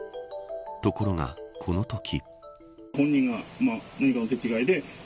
ところが、このとき。